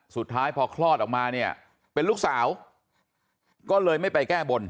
สุดท้ายพอคลอดออกมาเนี่ยเป็นลูกสาวก็เลยไม่ไปแก้บน